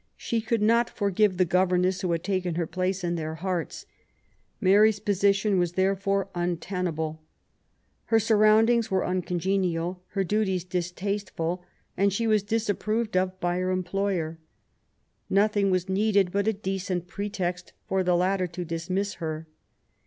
She could not forgive the governess who had taken her place in their hearts. She and her eldest daughter had on this account frequent quarrels. Mary's position was therefore un tenable. Her surroundings were uncongenial, her duties distasteful, and she was disapproved of by her employer. Nothing was needed but a decent pretext for the latter to dismiss her.